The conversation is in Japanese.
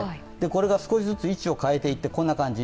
これが少しずつ位置を変えていって、こんな感じ。